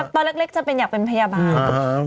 อธิบัติตอนเล็กจะเป็นอยากเป็นพยาบาล